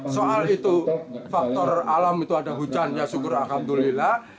soal itu faktor alam itu ada hujannya syukur alhamdulillah